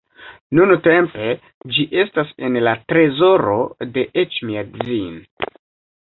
Nuntempe ĝi estas en la trezoro de Eĉmiadzin.